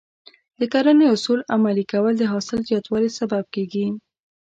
د کرنې اصول عملي کول د حاصل زیاتوالي سبب کېږي.